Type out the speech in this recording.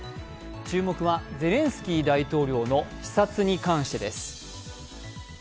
注目はゼレンスキー大統領の視察に関してです。